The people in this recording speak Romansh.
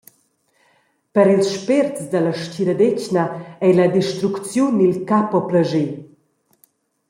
Per ils spérts dalla stgiradetgna ei la destrucziun il capo plascher.